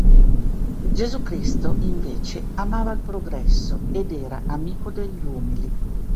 Gesù Cristo, invece, amava il progresso ed era amico degli umili.